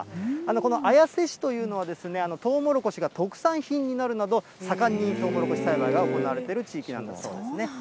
この綾瀬市というのは、トウモロコシが特産品になるなど、盛んにトウモロコシ栽培が行われている地域なんだそうですね。